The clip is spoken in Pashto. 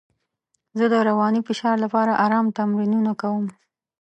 زه د رواني فشار لپاره ارام تمرینونه کوم.